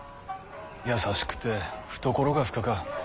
優しくて懐が深か。